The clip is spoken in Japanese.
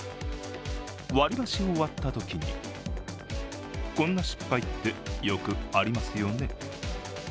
割り箸を割ったときにこんな失敗ってよくありますよね。